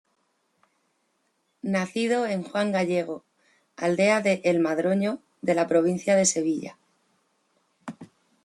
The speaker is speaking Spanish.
Nacido en Juan Gallego, aldea de El Madroño, de la provincia de Sevilla.